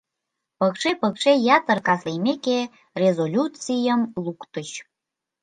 Пыкше-пыкше, ятыр кас лиймеке, резолюцийым луктыч.